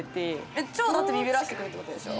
えっ超だってビビらしてくるってことでしょ？